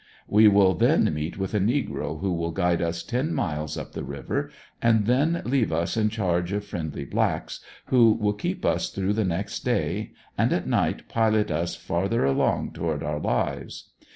We will then meet with a negro who will guide us ten miles up the river, and then leave us in charge of friendly blacks who will keep us through the next day and at night pilot us farther along toward our lives.